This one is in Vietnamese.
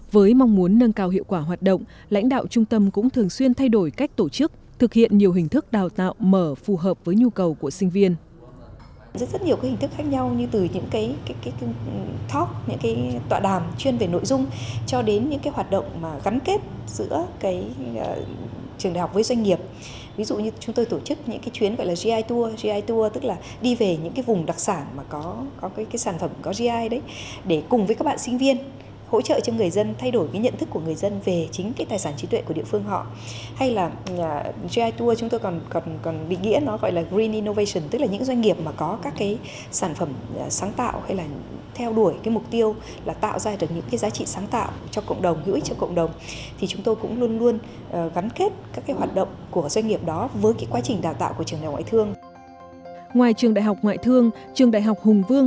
với mong muốn nâng cao hiệu quả hoạt động lãnh đạo trung tâm cũng thường xuyên thay đổi cách tổ chức thực hiện nhiều hình thức đào tạo mở phù hợp với nhu cầu của sinh viên